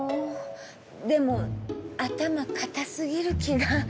でも頭かたすぎる気が。